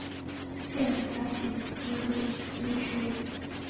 谢尔加奇斯基区。